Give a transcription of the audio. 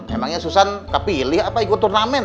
emangnya susah kepilih apa ikut turnamen